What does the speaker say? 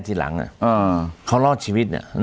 ที่รอดชีวิต